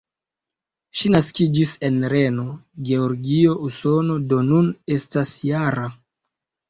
Ŝi naskiĝis en Reno, Georgio, Usono, do nun estas -jara.